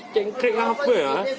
cengkrik apa ya